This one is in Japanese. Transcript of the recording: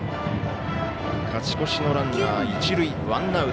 勝ち越しのランナー、一塁。